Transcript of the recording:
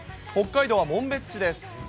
北海道は紋別市です。